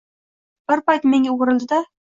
Bir payt menga o‘girildi-da: